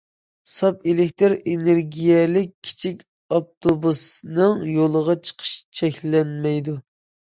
ساپ ئېلېكتىر ئېنېرگىيەلىك كىچىك ئاپتوبۇسنىڭ يولغا چىقىشى چەكلەنمەيدۇ.